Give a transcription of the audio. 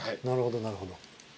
なるほどなるほど。